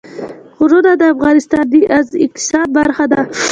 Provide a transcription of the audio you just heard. غرونه د افغانستان د اقتصاد برخه ده.